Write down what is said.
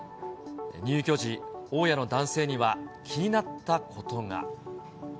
入居時、大家の男性には気になったことが。